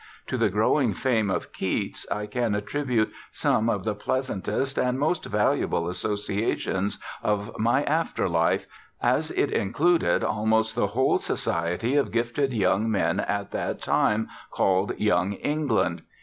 To the growing fame of Keats I can attribute some of the pleasantest and most valuable associations of my after life, as it included almost the whole society of gifted young men at that time called "Young England."